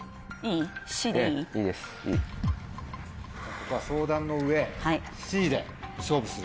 ここは相談の上Ｃで勝負する？